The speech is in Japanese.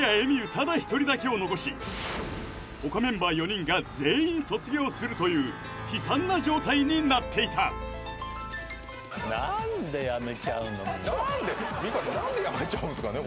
ただ１人だけを残し他メンバー４人が全員卒業するという悲惨な状態になっていた美川さん何で辞めちゃうんすかね？